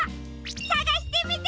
さがしてみてね！